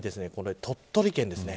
鳥取県ですね。